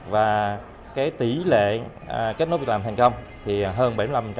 và cái tỷ lệ kết nối việc làm thành công thì hơn bảy mươi năm